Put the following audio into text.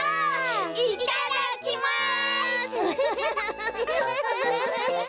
いっただっきます！